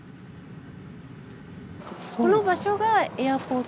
この場所がエアポート。